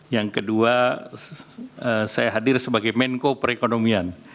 yang kedua saya hadir sebagai menko perekonomian